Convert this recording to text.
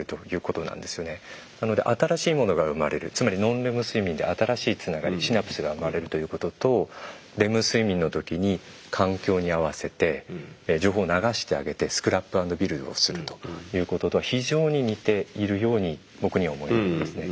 つまりノンレム睡眠で新しいつながりシナプスが生まれるということとレム睡眠の時に環境に合わせて情報を流してあげてスクラップアンドビルドをするということとは非常に似ているように僕には思えるんですね。